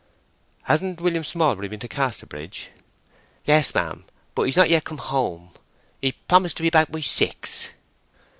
"Hasn't William Smallbury been to Casterbridge?" "Yes, ma'am, but he's not yet come home. He promised to be back by six."